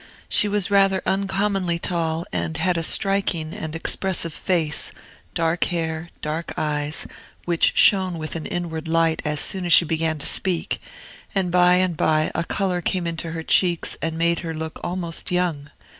She was rather uncommonly tall, and had a striking and expressive face, dark hair, dark eyes, which shone with an inward light as soon as she began to speak, and by and by a color came into her cheeks and made her look almost young.